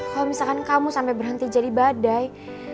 kalau misalkan kamu sampai berhenti jadi badai